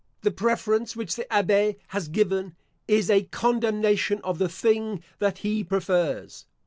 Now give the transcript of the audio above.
The preference which the Abbe has given, is a condemnation of the thing that he prefers.